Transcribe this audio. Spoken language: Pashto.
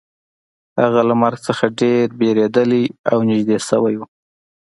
هغه له مرګ څخه ډیر ویریدلی او نږدې شوی و